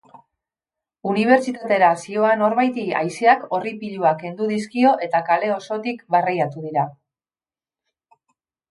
Unibertsitatera zihoan norbaiti haizeak orri piloa kendu dizkio eta kale osotik barreiatu dira.